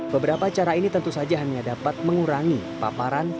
beberapa cara ini tentu saja hanya dapat mengurangi paparan